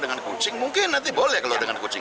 dengan kucing mungkin nanti boleh kalau dengan kucing